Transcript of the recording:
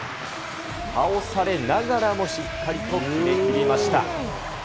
倒されながらもしっかりと決めきりました。